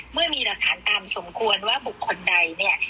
เมื่อมีหลักฐานตามสมควรว่าบุคคลใดเนี่ย